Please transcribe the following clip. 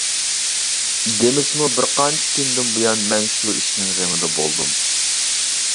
دېمىسىمۇ بىرقانچە كۈندىن بۇيان مەن شۇ ئىشنىڭ غېمىدە بولدۇم.